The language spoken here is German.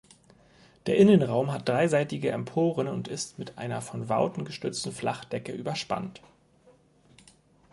Der Innenraum hat dreiseitige Emporen und ist mit einer von Vouten gestützten Flachdecke überspannt.